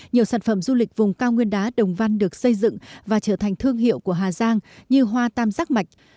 nhiều sản phẩm du lịch vùng cao nguyên đá đồng văn được xây dựng và trở thành thương hiệu của hà giang như hoa tam giác mạch